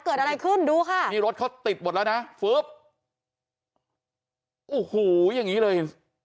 เกิดอะไรขึ้นดูค่ะนี่รถเขาติดหมดแล้วนะฟึ๊บโอ้โหอย่างงี้เลย